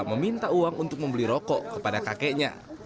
meminta uang untuk membeli rokok kepada kakeknya